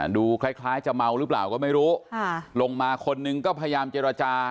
ดูคล้ายจะเมาหรือเปล่าก็ไม่รู้ลงมาคนนึงก็พยายามเจรจา